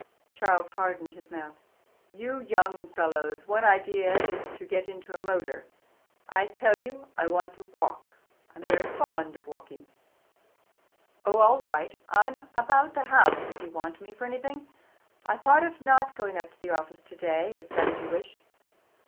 Charles hardened his mouth. "You young fellows' one idea is to get into a motor. I tell you, I want to walk: I'm very fond of walking." "Oh, all right; I'm about the house if you want me for anything. I thought of not going up to the office today, if that is your wish."